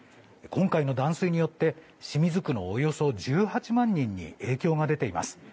今回の断水によって清水区のおよそ１８万人に影響が出ています。